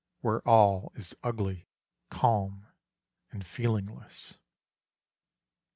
Where all is ugly, calm and feelingless.